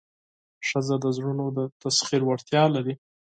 ښځه د زړونو د تسخیر وړتیا لري.